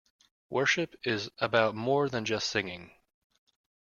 Worship is about more than just singing.